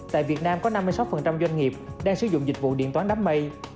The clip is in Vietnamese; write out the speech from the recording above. tại việt nam có năm mươi sáu doanh nghiệp đang sử dụng dịch vụ điện toán đám mây